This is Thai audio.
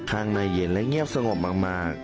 ข้างในเย็นและเงียบสงบมาก